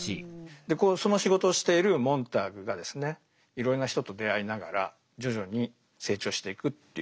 でその仕事をしているモンターグがいろいろな人と出会いながら徐々に成長していくっていう。